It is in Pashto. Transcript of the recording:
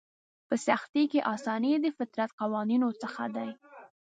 په سختي کې اساني د فطرت قوانینو څخه دی.